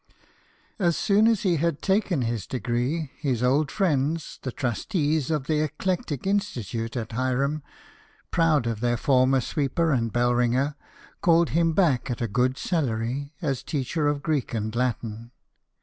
As soon as he had taken his degree, his old friends, the trustees of the "Eclectic Institute" at Hiram, proud of their former sweeper and bell ringer, called him back at a good salary as teacher of Greek and Latin.